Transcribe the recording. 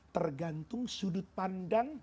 tergantung sudut pandang